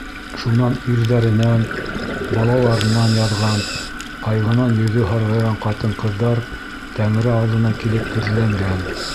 Шунан ирҙәренән, балаларынан яҙған, ҡайғынан йөҙө һарғайған ҡатын-ҡыҙҙар Тәңре алдына килеп теҙләнгән: